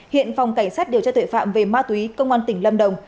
hiện phòng cảnh sát điều tra tuệ phạm về ma túy công an tỉnh lâm đồng